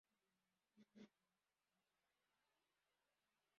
abantu babiri bambaye amakoti mubufatanye bicaye kumasanduku